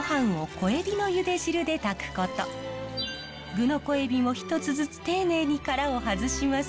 具の小エビも１つずつ丁寧に殻を外します。